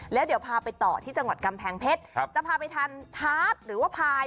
แล้วเดี๋ยวพาไปต่อที่จังหวัดกำแพงเพชรจะพาไปทานทาสหรือว่าพาย